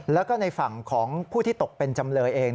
แล้วก็ในฝั่งของผู้ที่ตกเป็นจำเลยเอง